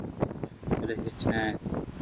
بلے ہچ نہ بیت